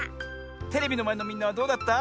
テレビのまえのみんなはどうだった？